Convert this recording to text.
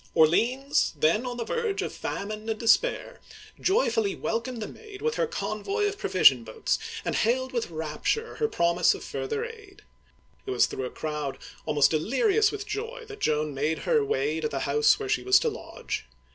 Orleans, then on the verge of famine and despair, joy fully welcomed the Maid with her convoy of provision Painting by Lenepveu. Joan entering Orleans. boats, and hailed with rapture her promise of further aid. It was through a crowd almost delirious with joy that Joaji made her way to the house where she was to lodge.